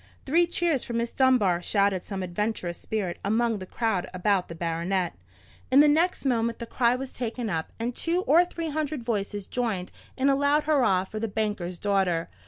"Three cheers for Miss Dunbar!" shouted some adventurous spirit among the crowd about the baronet. In the next moment the cry was taken up, and two or three hundred voices joined in a loud hurrah for the banker's daughter.